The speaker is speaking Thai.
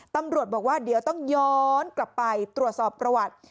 ตำรวจบอกว่าเดี๋ยวต้องย้อนกลับไปตรวจสอบประวัติ